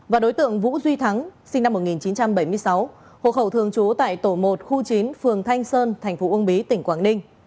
và đối tượng vũ duy thắng sinh năm một nghìn chín trăm bảy mươi sáu hộ khẩu thường trú tại tổ một khu chín phường thanh sơn thành phố uông bí tỉnh quảng ninh